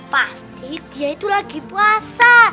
pasti dia itu lagi puasa